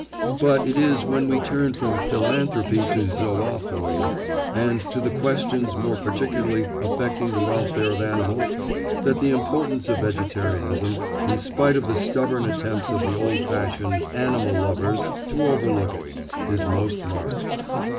But it is when we turn from philanthropy to zoophily, and to the questions more particularly affecting the welfare of animals, that the importance of vegetarianism, in spite of the stubborn attempts of the old fashioned "animal lovers" to overlook it, is most marked.